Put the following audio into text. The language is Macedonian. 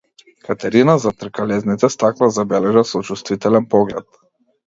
Катерина зад тркалезните стакла забележа сочувствителен поглед.